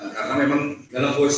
karena memang dalam voice